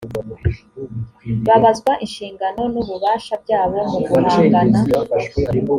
babazwa inshingano n ububasha byabo mu guhangana